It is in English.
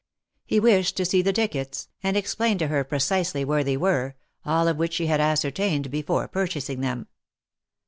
He wished to see the tickets, and explained to her precisely where they were, all of which she had ascertained before purchasing them.